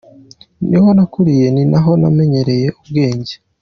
Niho nakuriye, ni naho namenyeye ubwenge.